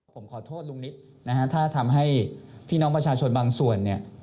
ผมขอโทษลุงนิตถ้าทำให้พี่น้องประชาชนบางส่วน